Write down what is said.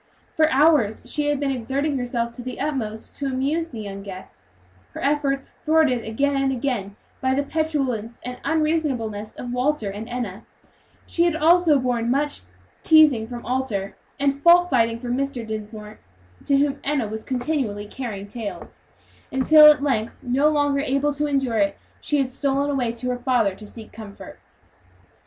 For hours she had been exerting herself to the utmost to amuse the young guests, her efforts thwarted again and again by the petulance and unreasonableness of Walter and Enna; she had also borne much teasing from Arthur, and fault finding from Mrs. Dinsmore, to whom Enna was continually carrying tales, until, at length, no longer able to endure it, she had stolen away to her father to seek for comfort.